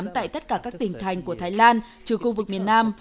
tại tất cả các tỉnh thành của thái lan trừ khu vực miền nam